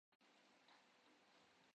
میں اور جاؤں در سے ترے بن صدا کیے